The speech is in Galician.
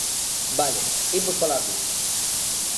¡Vale, imos falar diso!